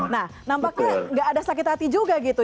nah nampaknya nggak ada sakit hati juga gitu